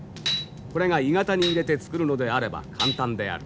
これが鋳型に入れて作るのであれば簡単である。